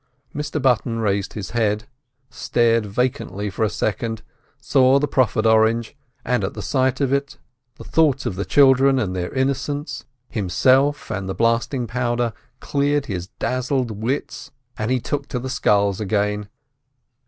Mr Button raised his head, stared vacantly for a second, saw the proffered orange, and at the sight of it the thought of "the childer" and their innocence, himself and the blasting powder, cleared his dazzled wits, and he took to the sculls again.